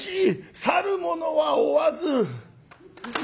去る者は追わず」。